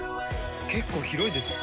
結構広いです。